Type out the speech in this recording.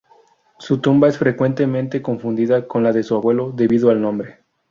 Su tumba es frecuentemente confundida con la de su abuelo, debido al nombre.